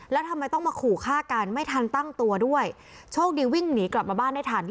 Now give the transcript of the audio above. แล้วทำไมต้องมาขู่ฆ่ากันไม่ทันตั้งตัวด้วยโชคดีวิ่งหนีกลับมาบ้านได้ทัน